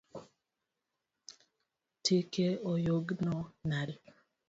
Tike oyugno nade?